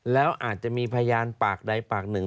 แล้วอาจจะมีพยานปากใดปากหนึ่ง